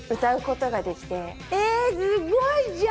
えすごいじゃん！